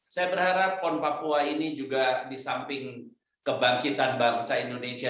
saya berharap pon papua ini juga di samping kebangkitan bangsa indonesia